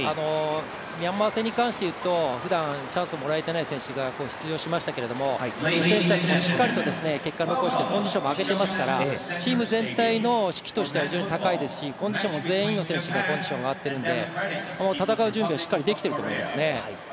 ミャンマー戦に関して言うとふだんチャンスもらえていない選手が出場しましたけれども、その選手たちもしっかりと結果残して、コンディションも上げていますからチーム全体の士気としては非常に高いですし、コンディションも上がっているので戦う準備はしっかりできていると思いますね。